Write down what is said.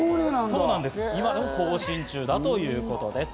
今、更新中だということです。